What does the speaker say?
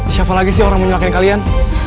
siapa lagi sih orang menyelakai kalian